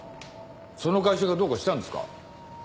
その会社がどうかしたんですか？